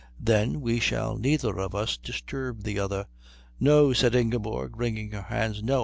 Then we shall neither of us disturb the other." "No," said Ingeborg, wringing her hands, "no.